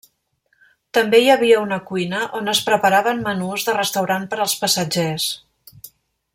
També hi havia una cuina on es preparaven menús de restaurant per als passatgers.